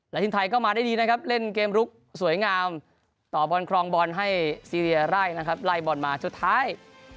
และทีมไทยก็มาได้ดีนะครับเล่นเกมลุกสวยงามต่อบอลครองบอลให้ซีเรียไล่นะครับไล่บอลมาสุดท้าย